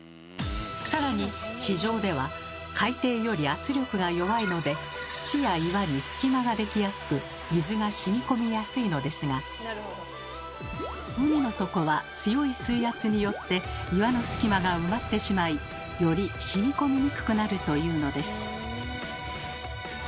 更に地上では海底より圧力が弱いので土や岩に隙間が出来やすく水がしみこみやすいのですが海の底は強い水圧によって岩の隙間が埋まってしまいよりしみこみにくくなるというのです。